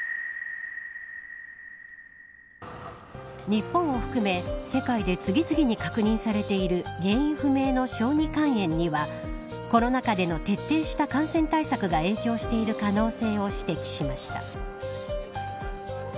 日本を含め世界で次々に確認されている原因不明の小児肝炎にはコロナ禍での徹底した感染対策が影響している可能性を指摘しました。